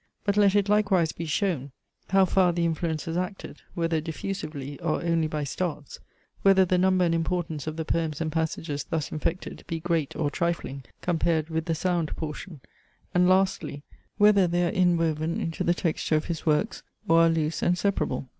But let it likewise be shown, how far the influence has acted; whether diffusively, or only by starts; whether the number and importance of the poems and passages thus infected be great or trifling compared with the sound portion; and lastly, whether they are inwoven into the texture of his works, or are loose and separable.